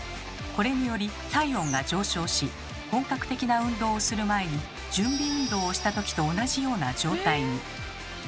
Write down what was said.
これにより体温が上昇し本格的な運動をする前に準備運動をしたときと同じような状態に。